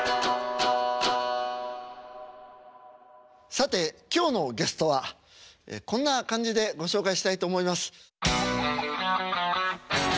さて今日のゲストはこんな感じでご紹介したいと思います。